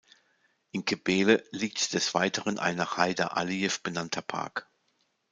In Qəbələ liegt des Weiteren ein nach Heydar Aliyev benannter Park.